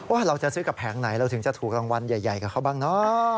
ว่าเราจะซื้อกับแผงไหนเราถึงจะถูกรางวัลใหญ่กับเขาบ้างเนอะ